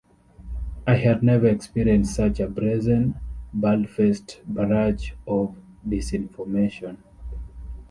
I had never experienced such a brazen, bald-faced barrage of disinformation.